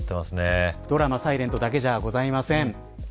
ドラマｓｉｌｅｎｔだけじゃございません。